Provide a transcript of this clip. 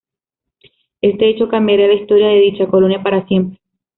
Este hecho cambiaría la historia de dicha colonia para siempre.